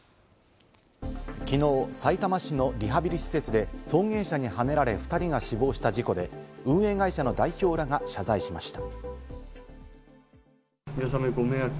きのう、さいたま市のリハビリ施設で送迎車にはねられ２人が死亡した事故で、運営会社の代表らが謝罪しました。